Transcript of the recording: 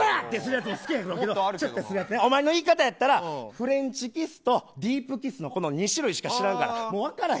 おまえの言い方やったらフレンチキスとディープキスのこの２種類しか知らんから。